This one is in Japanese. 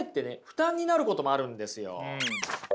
負担になることもあるんですよ。